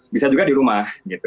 bisa juga di rumah